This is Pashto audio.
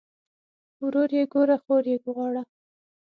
ورور ئې ګوره خور ئې غواړه